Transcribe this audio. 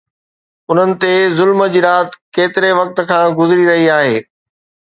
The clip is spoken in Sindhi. انهن تي ظلم جي رات ڪيتري وقت کان گذري رهي آهي؟